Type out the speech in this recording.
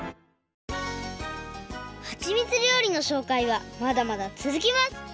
はちみつりょうりのしょうかいはまだまだつづきます！